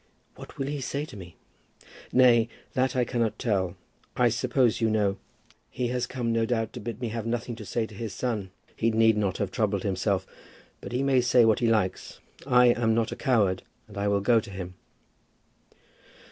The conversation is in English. "What will he say to me?" "Nay; that I cannot tell. I suppose you know " "He has come, no doubt, to bid me have nothing to say to his son. He need not have troubled himself. But he may say what he likes. I am not a coward, and I will go to him."